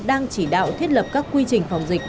đang chỉ đạo thiết lập các quy trình phòng dịch